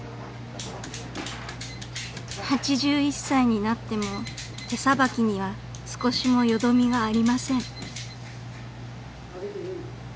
［８１歳になっても手さばきには少しもよどみがありません］